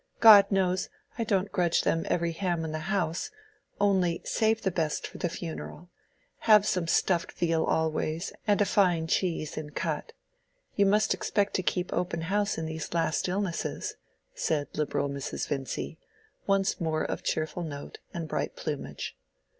God knows, I don't grudge them every ham in the house—only, save the best for the funeral. Have some stuffed veal always, and a fine cheese in cut. You must expect to keep open house in these last illnesses," said liberal Mrs. Vincy, once more of cheerful note and bright plumage.